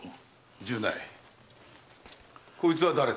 十内こいつは誰だ？